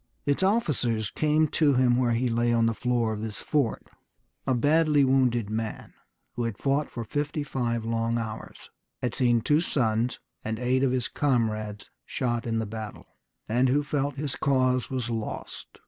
Its officers came to him where he lay on the floor of his fort, a badly wounded man, who had fought for fifty five long hours, who had seen two sons and eight of his comrades shot in the battle, and who felt that his cause was lost.